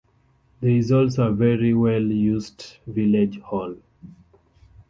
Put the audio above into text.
There is also a very well used Village Hall.